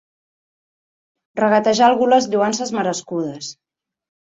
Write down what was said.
Regatejar a algú les lloances merescudes.